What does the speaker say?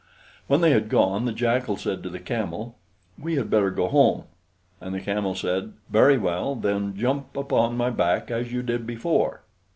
When they had gone, the Jackal said to the Camel, "We had better go home." And the Camel said, "Very well; then jump upon my back, as you did before."